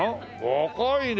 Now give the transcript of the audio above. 若いね。